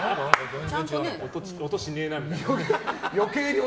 音がしないなみたいな。